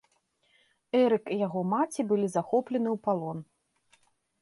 Эрык і яго маці былі захоплены ў палон.